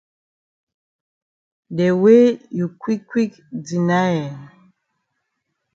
De way you quick quick deny eh.